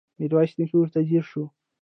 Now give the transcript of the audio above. ميرويس نيکه ورته ځير شو.